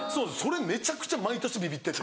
めちゃくちゃ毎年ビビってて。